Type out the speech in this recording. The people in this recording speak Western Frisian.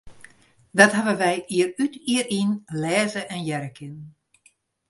Dat hawwe wy jier út, jier yn lêze en hearre kinnen.